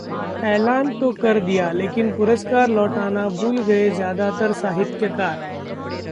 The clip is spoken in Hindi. ऐलान तो कर दिया, लेकिन पुरस्कार लौटाना भूल गए ज्यादातर साहित्यकार